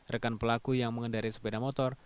rekan pelaku yang mengendari sepeda motor